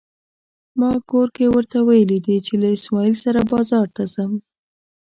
ما کور کې ورته ويلي دي چې له اسماعيل سره بازار ته ځم.